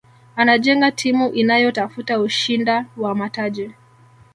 anajenga timu inayotafuta ushinda wa mataji